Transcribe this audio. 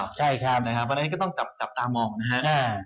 วันนี้ก็ต้องจับตามองนะฮะ